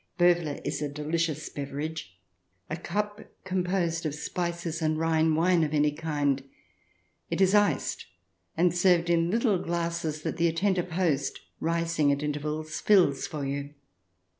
Bowie is a delicious beverage, a cup composed of spices and Rhine wine of any kind. It is iced, and served in little glasses that the attentive host, rising at intervals, fills for you.